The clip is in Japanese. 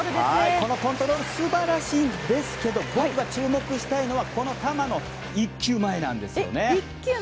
このコントロール素晴らしいんですけど僕が注目したいのはその１球前なんです。